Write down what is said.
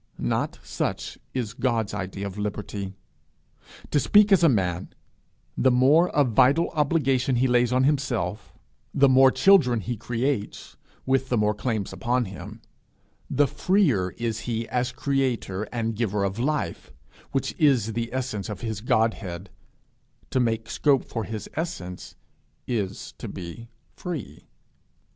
Not such is God's idea of liberty! To speak as a man the more of vital obligation he lays on himself, the more children he creates, with the more claims upon him, the freer is he as creator and giver of life, which is the essence of his Godhead: to make scope for his essence is to be free.